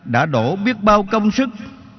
đã đổ biết bao công sức